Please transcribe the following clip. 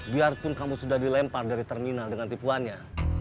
biarpun kamu sudah dilempar dari terminal dengan tipuannya